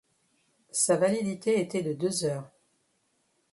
Sa validité était de deux heures.